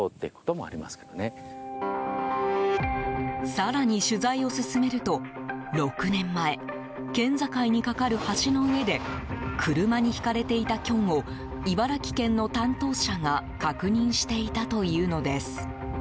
更に取材を進めると６年前、県境に架かる橋の上で車にひかれていたキョンを茨城県の担当者が確認していたというのです。